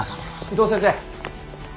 伊藤先生。